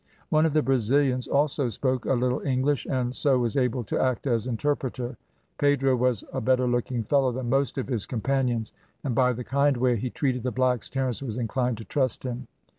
One of the Brazilians also spoke a little English, and so was able to act as interpreter. Pedro was a better looking fellow than most of his companions, and by the kind way he treated the blacks Terence was inclined to trust him.